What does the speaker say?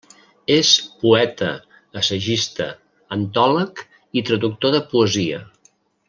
És poeta, assagista, antòleg i traductor de poesia.